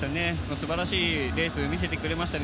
素晴らしいレースを見せてくれましたね。